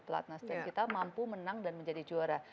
platnastream kita mampu menang dan menjadi juara